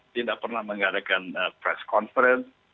tidak pernah mengadakan press conference